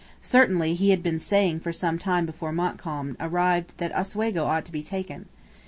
Certainly he had been saying for some time before Montcalm arrived that Oswego ought to be taken.